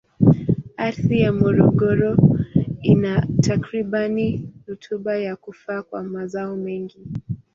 Ardhi ya Morogoro ina takribani rutuba ya kufaa kwa mazao mengi.